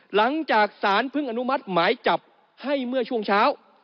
หลังจากสารเพิ่งอนุมัติหมายจับให้เมื่อช่วงเช้า